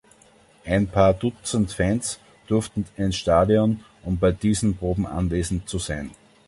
Ein paar Dutzend Fans durften ins Stadion, um bei diesen Proben anwesend zu sein.